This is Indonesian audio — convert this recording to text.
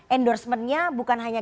endorsementnya bukan hanya